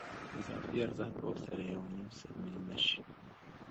اضافي ارزښت به ورسره یو نیم سل میلیونه شي